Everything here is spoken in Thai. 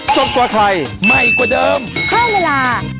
สวัสดีค่ะ